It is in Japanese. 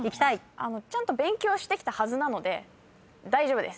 ちゃんと勉強してきたはずなので大丈夫です。